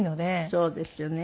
そうですよね。